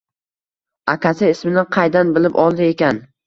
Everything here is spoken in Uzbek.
Akasi ismini qaydan bilib oldi ekan